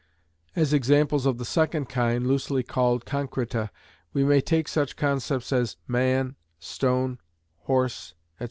As examples of the second kind, loosely called concreta, we may take such concepts as "man," "stone," "horse," &c.